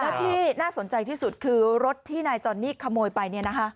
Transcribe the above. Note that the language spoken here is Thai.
และที่น่าสนใจที่สุดคือรถที่นายจอนนี่ขโมยไป